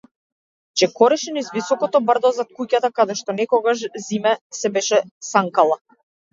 Чекореше низ високото брдо зад куќата, каде што некогаш зиме се беше санкала.